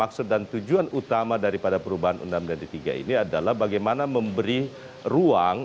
maksud dan tujuan utama daripada perubahan undang undang d tiga ini adalah bagaimana memberi ruang